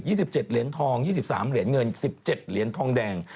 ๒๗เหรียญทอง๒๓เหรียญเงิน๑๗เหรียญทองแดง